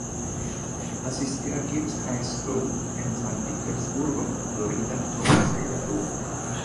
Asistió a Gibbs High School en San Petersburgo, Florida, donde se graduó.